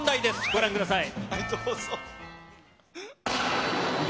ご覧ください。